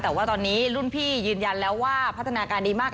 แต่ว่าตอนนี้รุ่นพี่ยืนยันแล้วว่าพัฒนาการดีมาก